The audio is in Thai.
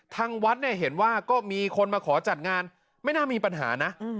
ทางวัดเนี่ยเห็นว่าก็มีคนมาขอจัดงานไม่น่ามีปัญหานะ